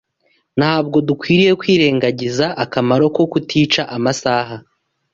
Ntabwo dukwiriye kwirengagiza akamaro ko kutica amasaha